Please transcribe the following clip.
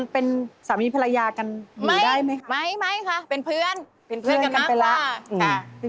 เป็นเพื่อนกันไปเลย